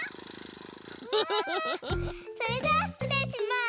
それじゃあしつれいします。